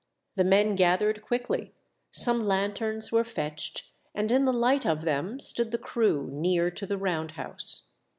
The men gathered quickly, some lanthorns were fetched, and in the liMit of them stood the crew near to the round house.